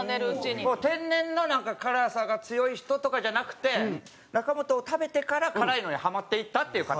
天然のなんか辛さが強い人とかじゃなくて中本を食べてから辛いのにハマっていったっていう方が。